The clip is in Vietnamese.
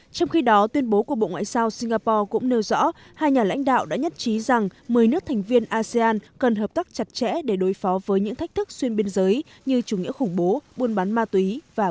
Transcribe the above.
trong khi đó tuyên bố của bộ ngoại giao singapore cũng nêu rõ hai nhà lãnh đạo đã nhất trí rằng một mươi nước thành viên asean cần hợp tác chặt chẽ để đối phó với những thách thức xuyên biên giới như chủ nghĩa khủng bố buôn bán ma túy và